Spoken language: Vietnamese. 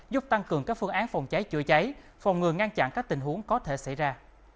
giúp tăng cường các phương án phòng cháy chữa cháy phòng ngừa ngăn chặn các tình huống có thể xảy ra